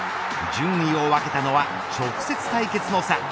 順位を分けたのは直接対決の差。